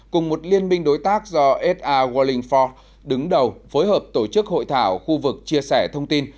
cùng một liên minh đối tác do s a wallingford đứng đầu phối hợp tổ chức hội thảo khu vực chia sẻ thông tin